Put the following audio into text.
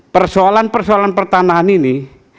persoalan persoalan pertanahan ini